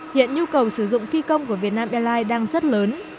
hiện nhu cầu sử dụng phi công của việt nam airlines đang rất lớn